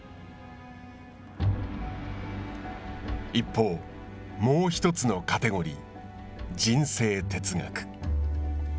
一方、もうひとつのカテゴリー人生哲学。